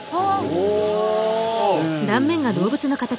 お！